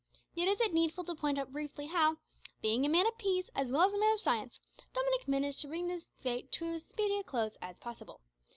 Yet is it needful to point out briefly how, being a man of peace, as well as a man of science, Dominick managed to bring this fight to as speedy a close as possible.